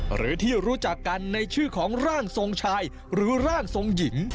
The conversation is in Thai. หรือที่รู้จักกันในชื่อของร่างทรงชายหรือร่างทรงหญิง